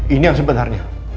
ini yang sebenarnya